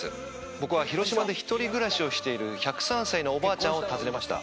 僕は広島で１人暮らしをしている１０３歳のおばあちゃんを訪ねました。